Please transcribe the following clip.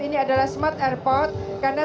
ini adalah smart airport karena